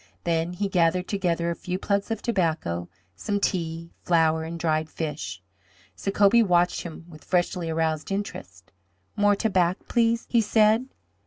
Then he gathered together a few plugs of tobacco, some tea, flour, and dried fish. Sacobie watched him with freshly aroused interest. "More tobac, please," he said.